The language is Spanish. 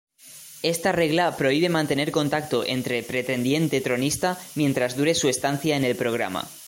Esta regla prohíbe mantener contacto entre pretendiente-tronista mientras dure su estancia en el programa.